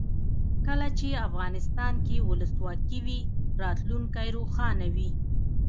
کله چې افغانستان کې ولسواکي وي راتلونکی روښانه وي.